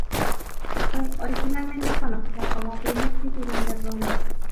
Fue originalmente conocida como Primer Cinturón de Ronda.